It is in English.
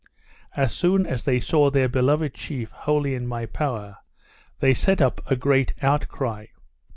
As soon as they saw their beloved chief wholly in my power, they set up a great outcry.